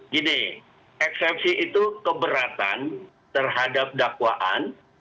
gini eksepsi itu keberatan terhadap dakwaan